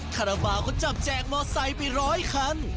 คาราบาลก็จับแจกมอไซค์ไปร้อยคัน